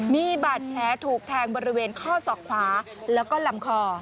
มีบาดแผลถูกแทงบริเวณข้อศอกขวาแล้วก็ลำคอ